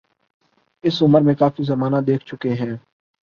اس عمر میں کافی زمانہ دیکھ چکے ہیں۔